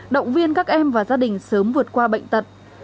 động viên các em và gia đình sớm vượt qua bệnh tật